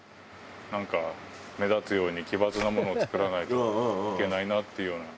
なんか目立つように奇抜なものを作らないといけないなっていうような。